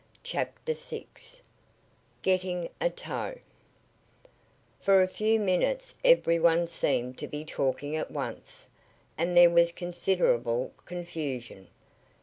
CHAPTER VI GETTING A TOW For a few minutes every one seemed to be talking at once, and there was considerable confusion.